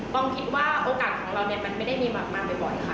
อมคิดว่าโอกาสของเรามันไม่ได้มีมาบ่อยค่ะ